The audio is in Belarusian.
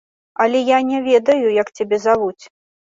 Але я не ведаю, як цябе завуць.